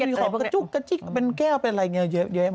มีของกระจุ๊กกระจิ๊กเป็นแก้วเป็นอะไรอย่างนี้เยอะแยะ